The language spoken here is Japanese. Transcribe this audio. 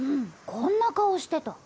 こんな顔してた。